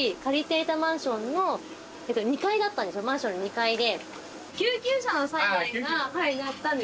マンションの２階で。